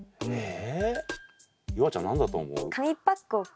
夕空ちゃん何だと思う？